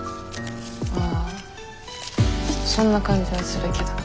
あそんな感じはするけど。